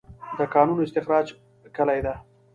د کانونو استخراج کلي ده؟